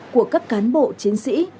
của các cán bộ chiến sĩ